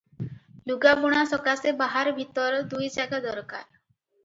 ଲୁଗାବୁଣା ସକାଶେ ବାହାର ଭିତର ଦୁଇ ଜାଗା ଦରକାର ।